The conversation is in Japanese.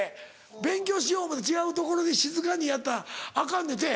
勉強しよう思うて違うところで静かにやったらアカンねんて。